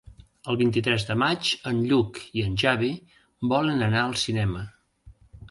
El vint-i-tres de maig en Lluc i en Xavi volen anar al cinema.